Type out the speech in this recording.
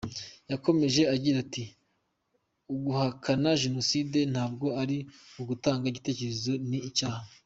Yakomeje agira ati “Uguhakana Jenoside ntabwo ari ugutanga igitekerezo, ni icyaha.